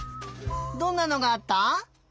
どんなのがあった？